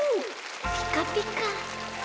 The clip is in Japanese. ピカピカ！